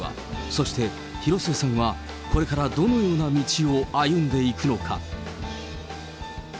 そして、広末さんは、これからどのような道を歩んでいくのか。